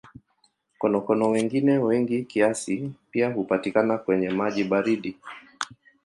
Konokono wengine wengi kiasi pia hupatikana kwenye maji baridi.